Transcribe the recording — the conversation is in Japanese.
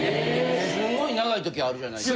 すごい長い時あるじゃないですか。